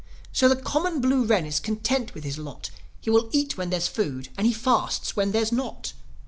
So the common blue wren is content with his lot: He will eat when there's food, and he fasts when there's not.